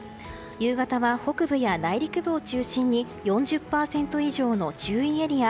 夕方は北部や内陸部を中心に４０％以上の注意エリア